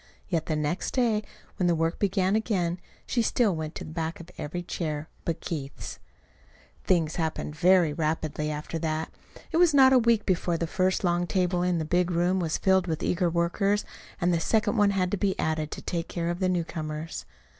Yet the next day, when the work began again, she still went to the back of every chair but Keith's. Things happened very rapidly after that. It was not a week before the first long table in the big room was filled with eager workers, and the second one had to be added to take care of the newcomers.